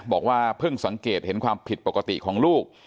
บอกว่าเพิ่งสังเกตเห็นความผิดปกติของลูก